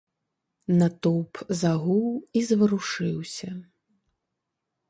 Натоўп загуў і заварушыўся.